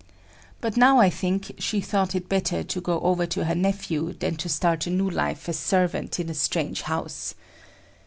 But now I think she thought it better to go over to her nephew than to start a new life as servant in a strange house.